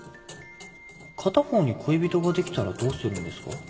片方に恋人ができたらどうするんですか？